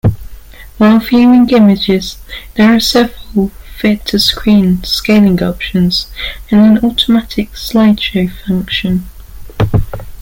While viewing images, there are several fit-to-screen scaling options and an automatic slideshow function.